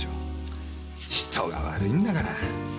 人が悪いんだから。